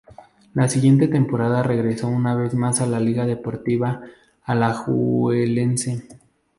La siguiente temporada regresó una vez más a la Liga Deportiva Alajuelense.